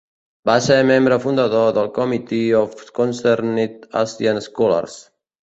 Va ser membre fundador del Committee of Concerned Asian Scholars.